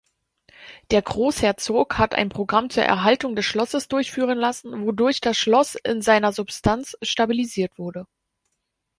Der Großherzog hat ein Programm zur Erhaltung des Schlosses durchführen lassen, wodurch das Schloss in seiner Substanz stabilisiert wurde.